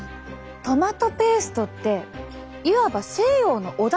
トマトペーストっていわば西洋のおだしだよね！